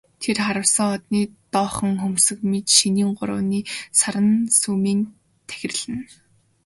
Тэр харвасан одны доохон хөмсөг мэт шинийн гуравны саран сүүмийн тахирлана.